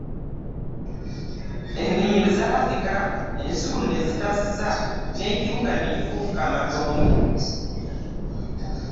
Ennimiro zaazika ensuku ne zitassa. n'ekibuga ne kifuuka amatongo.